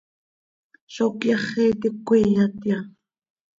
¿Zó cyaxi iti cöquíyatya?